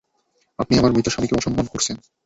আপনি আমার মৃত স্বামীকে অসম্মান করছেন।